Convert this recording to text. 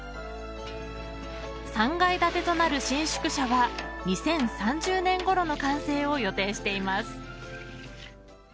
３階建てとなる新宿舎は２０３０年ごろの完成を予定しています。